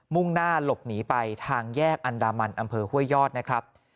่งหน้าหลบหนีไปทางแยกอันดามันอำเภอห้วยยอดนะครับ